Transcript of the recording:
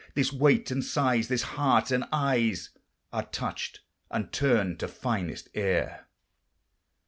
This weight and size, this heart and eyes, Are touched, and turned to finest air.